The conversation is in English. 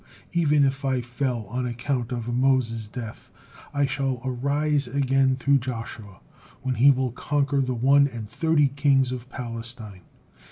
Even if I fell on account of Moses's death, I shall arise again through Joshua when he will conquer the one and thirty kings of Palestine.